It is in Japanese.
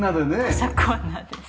読書コーナーです。